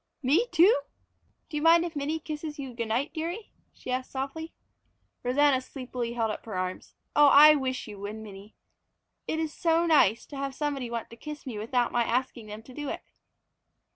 "Me too? Do you mind if Minnie kisses you good night, dearie?" she asked softly. Rosanna sleepily held up her arms. "Oh, I wish you would, Minnie! It is so nice to have somebody want to kiss me without my asking them to do it."